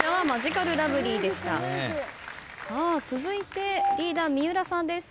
続いてリーダー三浦さんです。